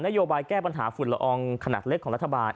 โยบายแก้ปัญหาฝุ่นละอองขนาดเล็กของรัฐบาล